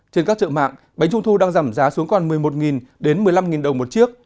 trên các chợ mạng bánh trung thu đang giảm giá xuống còn một mươi một đến một mươi năm đồng một chiếc